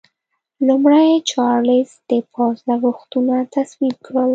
لومړي چارلېز د پوځ لګښتونه تصویب کړل.